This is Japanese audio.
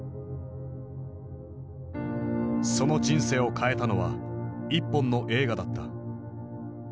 その人生を変えたのは一本の映画だった。